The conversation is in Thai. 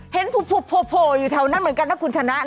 เห็นโผล่อยู่แถวนั้นเหมือนกันนะคุณชนะ